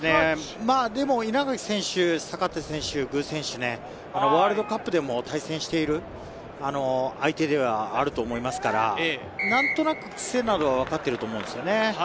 稲垣選手、坂手選手、グ選手、ワールドカップでも対戦している相手ではあると思いますから、何となくクセなどは分かっていると思うんですよね。